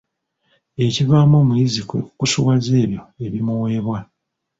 Ekivaamu omuyizi kwe kukusuwaza ebyo ebimuweebwa.